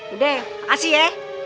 udah makasih ya